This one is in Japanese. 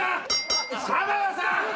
浜田さん！